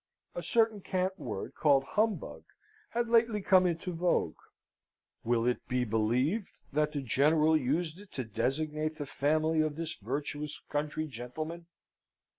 A certain cant word called humbug had lately come into vogue. Will it be believed that the General used it to designate the family of this virtuous country gentleman?